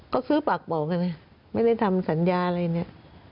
ก็ซื้อปากบอกกันไม่ได้ทำสัญญาอะไรเนี่ย